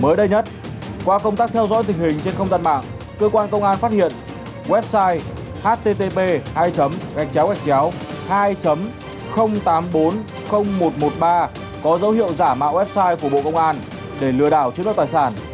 mới đây nhất qua công tác theo dõi tình hình trên không gian mạng cơ quan công an phát hiện website http hai tám trăm bốn mươi nghìn một trăm một mươi ba có dấu hiệu giả mạo website của bộ công an để lừa đảo chuyên gia tài sản